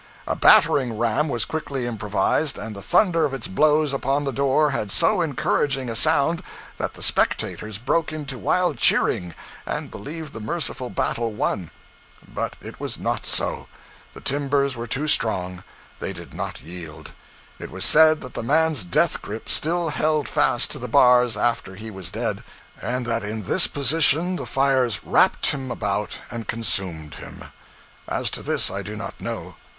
A battering ram was quickly improvised, and the thunder of its blows upon the door had so encouraging a sound that the spectators broke into wild cheering, and believed the merciful battle won. But it was not so. The timbers were too strong; they did not yield. It was said that the man's death grip still held fast to the bars after he was dead; and that in this position the fires wrapped him about and consumed him. As to this, I do not know.